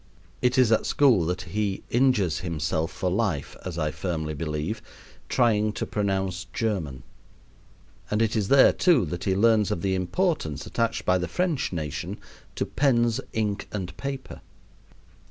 It is at school that he injures himself for life as I firmly believe trying to pronounce German; and it is there, too, that he learns of the importance attached by the French nation to pens, ink, and paper.